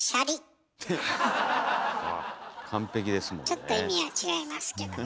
ちょっと意味は違いますけど。